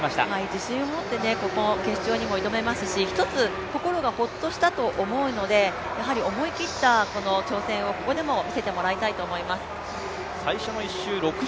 自信を持って決勝にも挑めますし一つ心がほっとしたと思うのでやはり思い切った挑戦をここでも見せてもらいたいと思います。